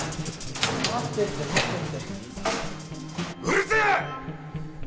うるせえっ！！